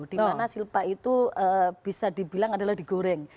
dimana silpa itu bisa dibilang adalah digoreng